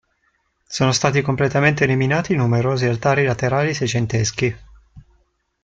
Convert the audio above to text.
Sono stati completamente eliminati i numerosi altari laterali seicenteschi.